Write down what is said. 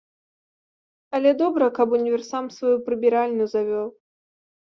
Але добра, каб універсам сваю прыбіральню завёў.